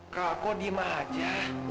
kak kok diem aja